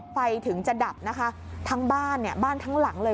ไฟถึงจะดับนะคะทั้งบ้านเนี่ยบ้านทั้งหลังเลย